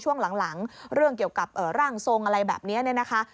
ช่วงหลังเรื่องเกี่ยวกับร่างทรงอะไรแบบนี้เนี่ยนะคะ